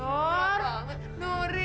nuri udah dong nuri